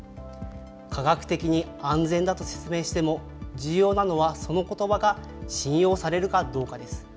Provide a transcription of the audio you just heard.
科学的に安全だと説明しても、重要なのは、そのことばが信用されるかどうかです。